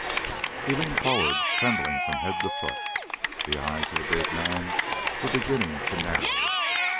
He leaned forward, trembling from head to foot. The eyes of the big man were beginning to narrow.